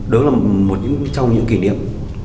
đúng là một trong những kỷ niệm